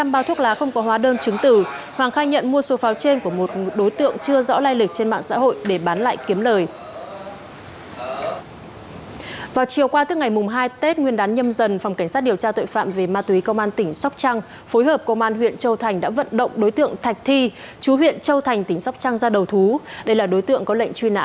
bốn trăm linh bao thuốc lá không có hóa đơn trứng tử hoàng khai nhận mua số pháo trên của một đối tượng chưa rõ lai lịch trên mạng xã hội để bán lại kiếm lời